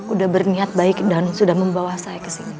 udah berniat baik dan sudah membawa saya kesini